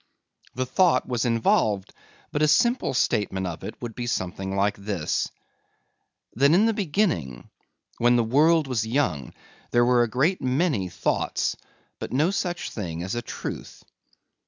The thought was involved but a simple statement of it would be something like this: That in the beginning when the world was young there were a great many thoughts but no such thing as a truth.